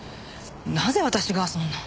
なぜ私がそんな。